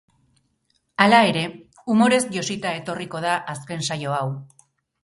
Hala ere, umorez josita etorriko da azken saio hau.